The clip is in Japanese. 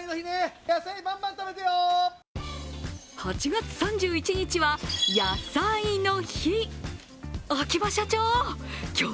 ８月３１日は野菜の日。